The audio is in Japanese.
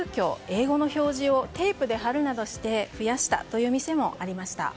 英語の表示をテープで貼るなどして増やしたという店もありました。